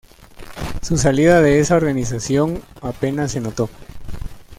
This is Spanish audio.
Su salida de esa organización apenas se notó.